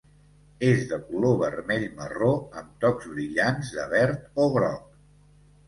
És de color vermell-marró amb tocs brillants de verd o groc.